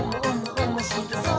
おもしろそう！」